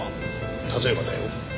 例えばだよ